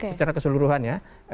secara keseluruhan ya